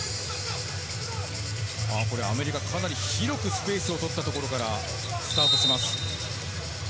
アメリカ、かなり広くスペースを取ったところからスタートします。